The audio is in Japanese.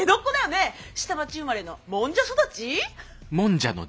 下町生まれのもんじゃ育ち？